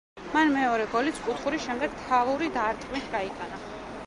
მან მეორე გოლიც კუთხურის შემდეგ, თავური დარტყმით გაიტანა.